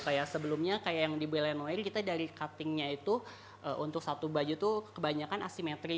kayak sebelumnya kayak yang di blenway kita dari cuttingnya itu untuk satu baju tuh kebanyakan asimetri